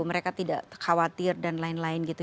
mereka tidak khawatir dan lain lain gitu